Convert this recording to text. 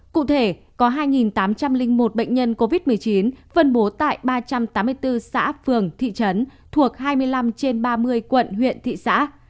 cụ thể có hai tám trăm linh một bệnh nhân covid một mươi chín phân bố tại ba trăm tám mươi bốn xã phường thị trấn thuộc hai mươi năm trên ba mươi quận huyện thị xã